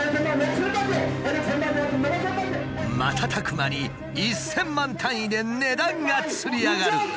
瞬く間に１，０００万単位で値段がつり上がる。